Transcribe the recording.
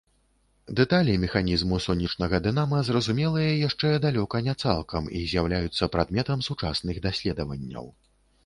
Дэталі механізму сонечнага дынама зразумелыя яшчэ далёка не цалкам і з'яўляюцца прадметам сучасных даследаванняў.